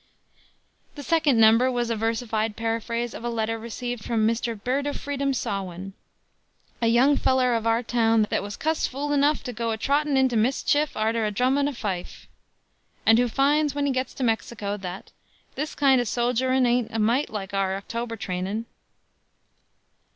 The second number was a versified paraphrase of a letter received from Mr. Birdofredom Sawin, "a yung feller of our town that wuz cussed fool enuff to goe atrottin inter Miss Chiff arter a drum and fife," and who finds when he gets to Mexico that "This kind o' sogerin' aint a mite like our October trainin'."